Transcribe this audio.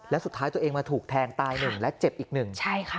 แล้วสุดท้ายตัวเองมาถูกแทงตาย๑และเจ็บอีก๑